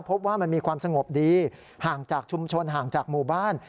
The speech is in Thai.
พบว่ามันมีความสงบดีห่างจากชุมชนห่างจากหมู่บ้าน